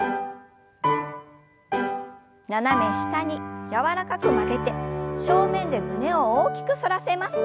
斜め下に柔らかく曲げて正面で胸を大きく反らせます。